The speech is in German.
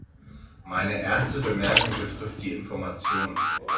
Meine erste Bemerkung betrifft die Information.